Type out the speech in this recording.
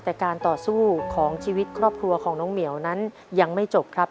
แต่การต่อสู้ของชีวิตครอบครัวของน้องเหมียวนั้นยังไม่จบครับ